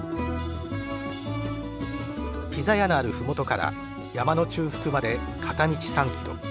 ピザ屋のある麓から山の中腹まで片道３ｋｍ。